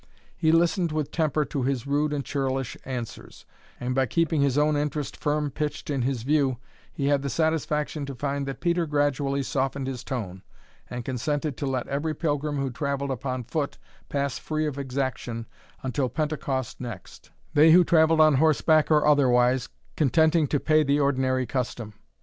He listened with temper to his rude and churlish answers; and by keeping his own interest firm pitched in his view, he had the satisfaction to find that Peter gradually softened his tone, and consented to let every pilgrim who travelled upon foot pass free of exaction until Pentocost next; they who travelled on horseback or otherwise, contenting to pay the ordinary custom.